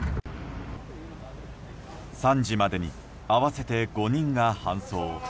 ３時までに合わせて５人が搬送。